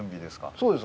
そうです